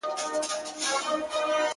• له باده سره الوزي پیمان په باور نه دی ,